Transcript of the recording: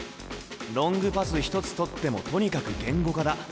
ロングパス一つとってもとにかく言語化だ。